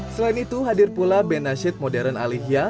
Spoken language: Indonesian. selain itu hadir pula benasit modern alihya